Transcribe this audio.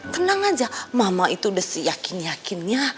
tenang aja mama itu udah seyakin yakinnya